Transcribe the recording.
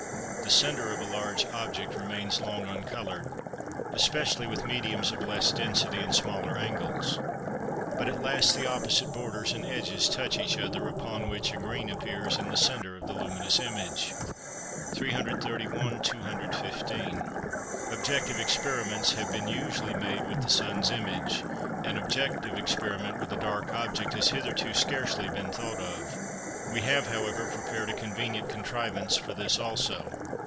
The centre of a large object remains long uncoloured, especially with mediums of less density and smaller angles; but at last the opposite borders and edges touch each other, upon which a green appears in the centre of the luminous image. 331 (215). Objective experiments have been usually made with the sun's image: an objective experiment with a dark object has hitherto scarcely been thought of. We have, however, prepared a convenient contrivance for this also.